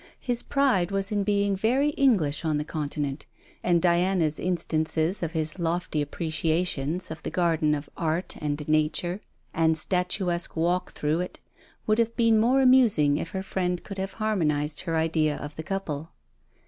His pride was in being very English on the Continent, and Diana's instances of his lofty appreciations of the garden of Art and Nature, and statuesque walk through it, would have been more amusing if her friend could have harmonized her idea of the couple.